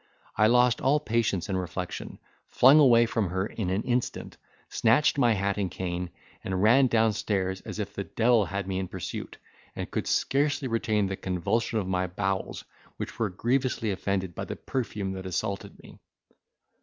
I lost all patience and reflection, flung away from her in an instant, snatched my hat and cane, and ran downstairs as if the devil had me in pursuit, and could scarcely retain the convulsion of my bowels, which were grievously offended by the perfume that assaulted me.